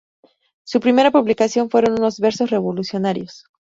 Su primera publicación fueron unos versos revolucionarios.